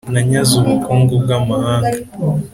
Nanyaze ubukungu bw’amahanga,